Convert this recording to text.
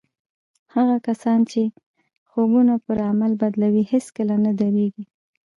هغه کسان چې خوبونه پر عمل بدلوي هېڅکله نه درېږي.